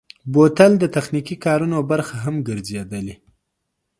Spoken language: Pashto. بوتل د تخنیکي کارونو برخه هم ګرځېدلی.